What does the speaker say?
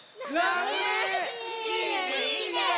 いいねいいね！